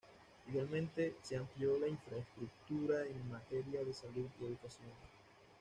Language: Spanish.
Igualmente, se amplió la infraestructura en materia de salud y educación.